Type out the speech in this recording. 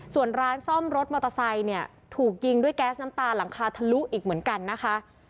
ส่วนร้านซ่อมรถมอเตอร์ไซค์เนี่ยถูกยิงด้วยแก๊สน้ำตาหลังคาทะลุอีกเหมือนกันนะคะ